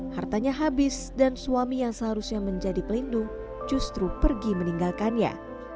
hartanya habis dan suami yang seharusnya menjadi pelindung justru pergi meninggalkannya